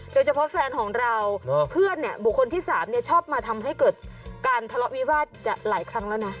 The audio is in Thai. โดยเฉพาะแฟนของเราเพื่อนเนี่ยบุคคลที่๓ชอบมาทำให้เกิดการทะเลาะวิวาสหลายครั้งแล้วนะ